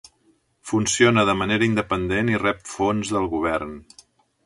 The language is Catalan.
Funciona de manera independent i rep fons del govern.